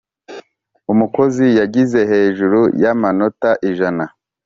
umukozi yagize hejuru y’amanota ijana